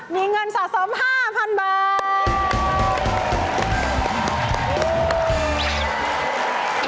มีเงินสะสม๕๐๐๐บาท